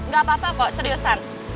gak apa apa kok seriusan